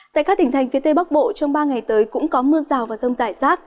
tại các tỉnh thành phía tây bắc bộ trong ba ngày tới cũng có mưa rào và rông rải rác